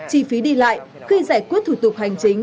chi phí đi lại khi giải quyết thủ tục hành chính